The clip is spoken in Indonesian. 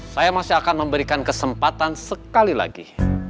saya masih akan memberikan kesempatan sekali lagi